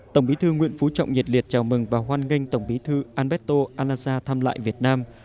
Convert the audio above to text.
tổng bí thư nguyễn phú trọng nhiệt liệt chào mừng và hoan nghênh tổng bí thư alberto anasa thăm lại việt nam